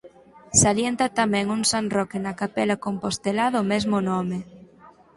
Salienta tamén un san Roque na capela compostelá do mesmo nome.